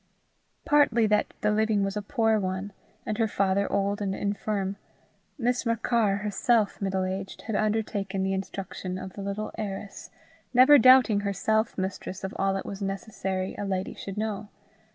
Partly that the living was a poor one, and her father old and infirm, Miss Machar, herself middle aged, had undertaken the instruction of the little heiress, never doubting herself mistress of all it was necessary a lady should know.